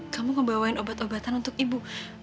kamu membawain obat obatan untuk ibu